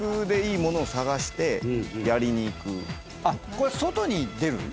これ外に出る？